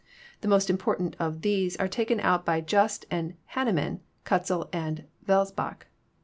The most important are those taken out by Just and Hanaman, Kuzel, and Welsbach.